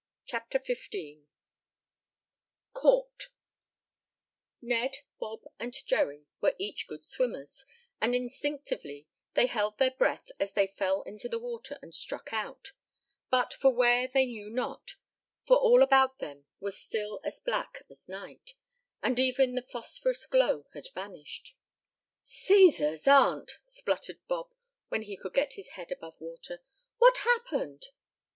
CHAPTER XV CAUGHT Ned, Bob and Jerry were each good swimmers, and instinctively they held their breath as they fell into the water and struck out but for where they knew not, for all about them was still as black as night, and even the phosphorous glow had vanished. "Cæsar's aunt!" spluttered Bob, when he could get his head above water. "What happened?"